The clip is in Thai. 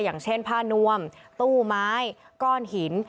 อย่างเช่นผ้านวมตู้ไม้ก้อนหิน